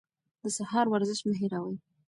د سهار ورزش مه هېروئ.